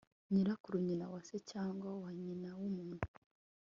nyirakuru nyina wa se cyangwa wa nyina w'umuntu